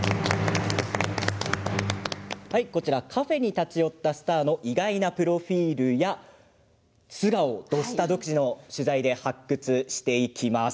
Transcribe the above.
カフェに立ち寄ったスターの意外なプロフィールや素顔を「土スタ」独自の取材で発掘していきます。